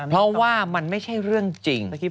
เพราะว่ามันไม่ใช่เรื่องจริง